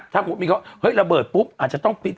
ถ้าสมมุติมีเขาเฮ้ยระเบิดปุ๊บอาจจะต้องปิด